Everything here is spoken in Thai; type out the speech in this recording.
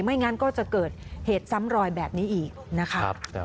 งั้นก็จะเกิดเหตุซ้ำรอยแบบนี้อีกนะคะ